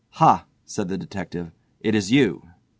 "Ha," said the detective, "it is you!"